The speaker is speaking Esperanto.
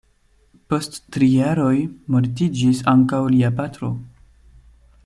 Post tri jaroj mortiĝis ankaŭ lia patro.